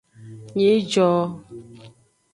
Nyijo.